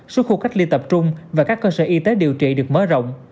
số khu cách ly tập trung và các cơ sở y tế điều trị được mở rộng